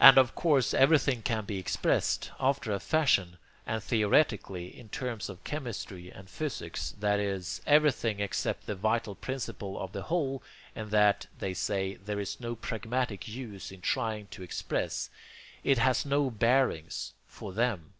And of course everything can be expressed after a fashion, and 'theoretically' in terms of chemistry and physics, that is, EVERYTHING EXCEPT THE VITAL PRINCIPLE OF THE WHOLE, and that, they say, there is no pragmatic use in trying to express; it has no bearings FOR THEM.